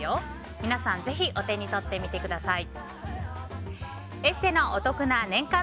皆さん、ぜひお手に取ってみてください。